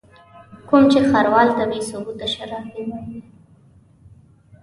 کوم چې ښاروال ته بې ثبوته شرابي وايي.